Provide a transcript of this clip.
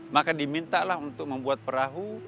maka dimintalah untuk membuat perahu